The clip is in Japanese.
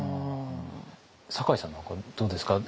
酒井さんなんかどうですか？